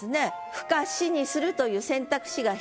「深し」にするという選択肢が一つ。